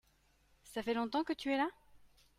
Ça fait longtemps que tu es là ?